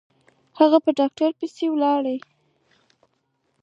هغه په ډاکتر پسې ولاړه.